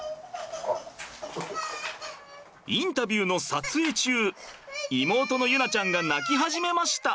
インタビューの撮影中妹の結菜ちゃんが泣き始めました。